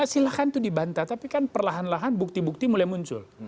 silahkan itu dibantah tapi kan perlahan lahan bukti bukti mulai muncul